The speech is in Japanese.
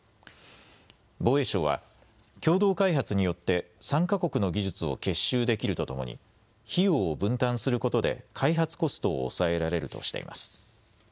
防衛省は、共同開発によって３か国の技術を結集できるとともに、費用を分担することで開発コストを抑えられるとしています。